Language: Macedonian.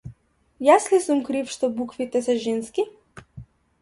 Јас ли сум крив што буквите се женски?